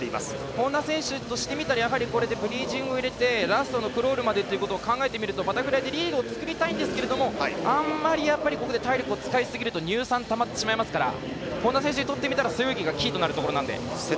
本多選手として見たらラストのクロールまでっていうことでいうとバタフライでリードを作りたいんですけどあんまりここで体力を使いすぎると乳酸たまってしまいますから本多選手とすれば背泳ぎがキーとなるところです。